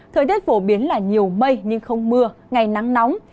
thời tiết phổ biến là nhiều mây nhưng không mưa ngày nắng nóng